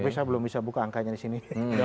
tapi saya belum bisa buka angkanya di sini